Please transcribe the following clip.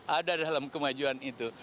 ada dalam kemajuan itu